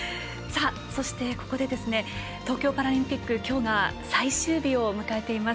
そして、ここで東京パラリンピックきょうが最終日を迎えています。